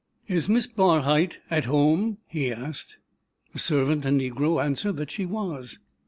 "Is Miss Barhyte at home?" he asked. The servant, a negro, answered that she was.